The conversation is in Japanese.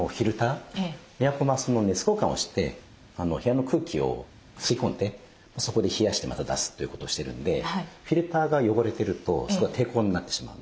エアコンは熱交換をして部屋の空気を吸い込んでそこで冷やしてまた出すということをしてるんでフィルターが汚れてるとそこが抵抗になってしまうんですよね。